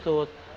ada yang kursus